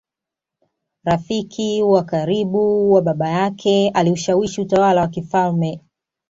rafiki wa karibu wa Baba yake Aliushawishi utawala wa kifalme